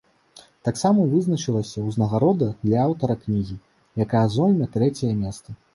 Таксама вызначылася ўзнагарода для аўтара кнігі, якая зойме трэцяе месца.